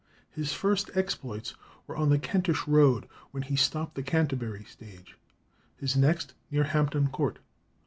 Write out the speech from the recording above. His first exploits were on the Kentish road, when he stopped the Canterbury stage; his next near Hampton Court.